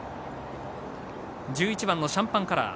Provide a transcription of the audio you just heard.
１１番シャンパンカラー。